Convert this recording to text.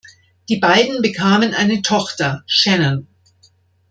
Die beiden bekamen eine Tochter, Shannon.